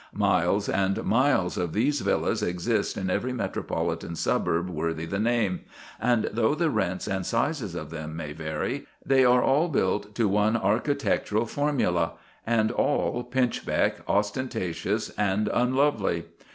Miles and miles of these villas exist in every metropolitan suburb worth the name; and though the rents and sizes of them may vary, they are all built to one architectural formula, and all pinchbeck, ostentatious, and unlovely.